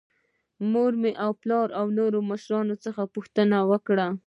له مور او پلار او نورو مشرانو څخه پوښتنه وکړئ.